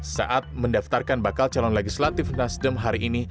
saat mendaftarkan bakal calon legislatif nasdem hari ini